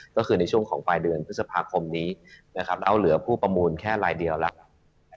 ก็คือในช่วงของปลายเดือนพฤษภาคมนี้นะครับแล้วเหลือผู้ประมูลแค่รายเดียวแล้ว